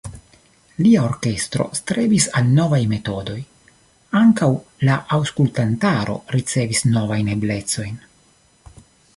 Lia orkestro strebis al novaj metodoj, ankaŭ la aŭskultantaro ricevis novajn eblecojn.